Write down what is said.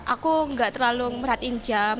aku gak terlalu merhatiin jam